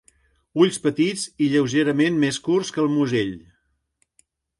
Ulls petits i lleugerament més curts que el musell.